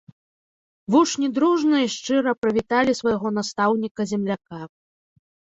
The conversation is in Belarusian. Вучні дружна і шчыра прывіталі свайго настаўніка-земляка.